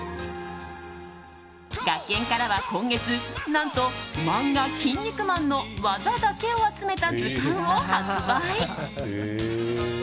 学研からは今月、何と漫画「キン肉マン」の技だけを集めた図鑑を発売。